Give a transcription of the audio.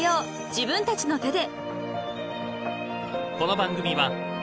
自分たちの手で］